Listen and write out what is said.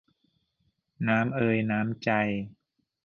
น้ำ เอย น้ำ ใจ